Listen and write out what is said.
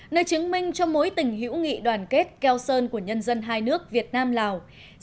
nơi chứng minh cho mối tình hữu nghị đoàn kết keo sơn của nhân dân hai nước việt nam lào